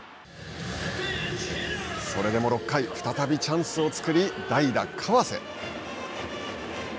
それでも６回再びチャンスを作り代打、川瀬。